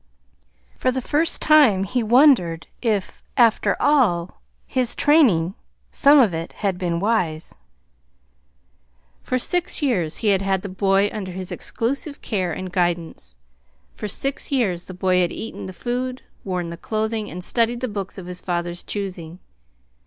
For the first time he wondered if, after all, his training some of it had been wise. For six years he had had the boy under his exclusive care and guidance. For six years the boy had eaten the food, worn the clothing, and studied the books of his father's choosing.